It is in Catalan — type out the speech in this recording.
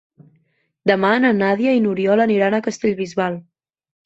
Demà na Nàdia i n'Oriol aniran a Castellbisbal.